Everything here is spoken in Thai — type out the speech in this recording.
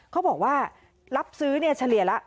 เขาบอกว่ารับซื้อเฉลี่ยละ